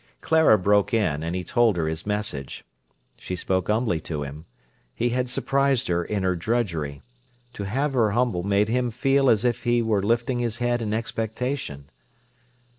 Clara broke in, and he told her his message. She spoke humbly to him. He had surprised her in her drudgery. To have her humble made him feel as if he were lifting his head in expectation.